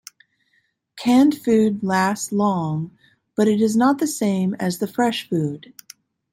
Canned food lasts long but is not the same as the fresh food.